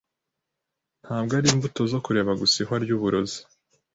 Ntabwo ari imbuto zo kureba gusa ihwa ry'uburozi